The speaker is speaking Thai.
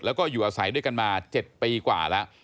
แล้วก็อยู่อาศัยด้วยกันมา๗ปีกว่าแล้ว